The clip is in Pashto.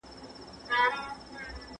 ځانونه خو مو هسي نکړل سیال د لېونیو